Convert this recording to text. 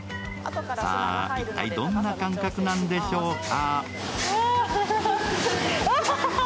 さあ一体、どんな感覚なんでしょうか？